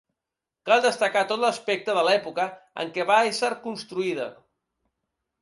Cal destacar tot l'aspecte de l'època en què va ésser construïda.